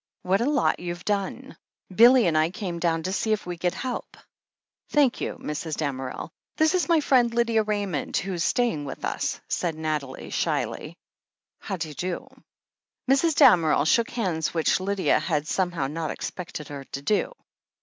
"What a lot you've done ! Billy and I came down to see if we could help." "Thank you, Mrs. Damerel. This is my friend, Lydia Raymond, who's staying with us," said Nathalie shyly. "Howd'ydo?" Mrs. Damerel shook hands, which Lydia had some how not expected her to do.